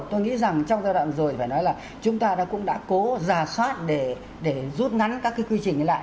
tôi nghĩ rằng trong giai đoạn rồi phải nói là chúng ta cũng đã cố giả soát để rút ngắn các cái quy trình lại